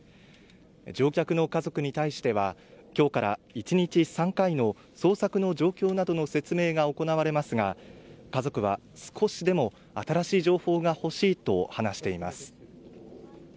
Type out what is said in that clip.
乗客の家族に対しては今日から１日３回の捜索の状況などの説明が行われますが家族は少しでも新しい情報が欲しいと話しています